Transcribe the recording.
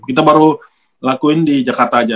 kita baru lakuin di jakarta aja